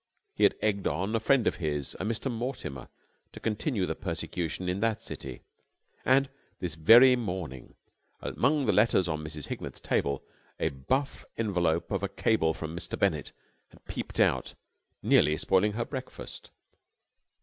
He had egged on a friend of his, a Mr. Mortimer, to continue the persecution in that city. And, this very morning, among the letters on Mrs. Hignett's table, the buff envelope of a cable from Mr. Bennett had peeped out, nearly spoiling her breakfast.